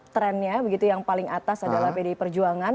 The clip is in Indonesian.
trendnya begitu yang paling atas adalah pdi perjuangan